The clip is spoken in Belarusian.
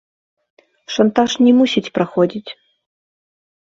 Шантаж не мусіць праходзіць.